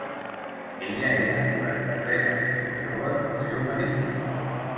Ella era quaranta-tres anys més jove que el seu marit.